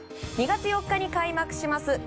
２月４日に開幕します